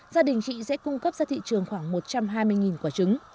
gia đình chị sẽ cung cấp ra thị trường khoảng một trăm hai mươi quả trứng